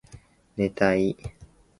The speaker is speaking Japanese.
寝たい